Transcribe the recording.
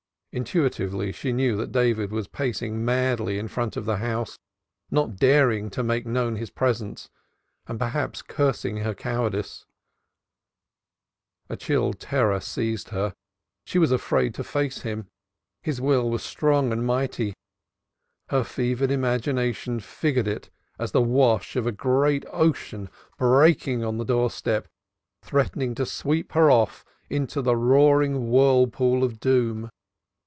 Intuitively she knew that David was pacing madly in front of the house, not daring to make known his presence, and perhaps cursing her cowardice. A chill terror seized her. She was afraid to face him his will was strong and mighty; her fevered imagination figured it as the wash of a great ocean breaking on the doorstep threatening to sweep her off into the roaring whirlpool of doom.